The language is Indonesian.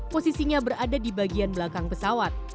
posisinya berada di bagian belakang pesawat